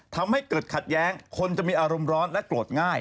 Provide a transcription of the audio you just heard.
ทำให้เกิดขัดแย้งคนจะมีอารมณ์ร้อนและโกรธง่าย